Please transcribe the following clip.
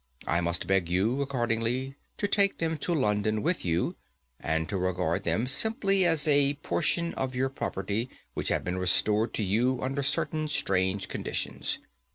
I must beg you, accordingly, to take them to London with you, and to regard them simply as a portion of your property which has been restored to you under certain strange conditions.